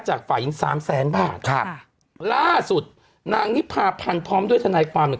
ฝ่ายหญิงสามแสนบาทครับล่าสุดนางนิพาพันธ์พร้อมด้วยทนายความเนี่ย